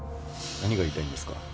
何が言いたいんですか？